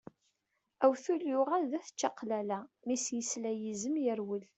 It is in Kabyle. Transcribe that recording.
Awtul yuɣal d at čaqlala, mi s-yesla yizem yerwel.